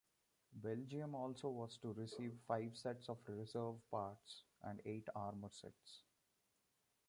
Belgium also was to receive five sets of reserve parts and eight armour sets.